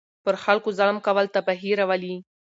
پر خلکو ظلم کول تباهي راولي.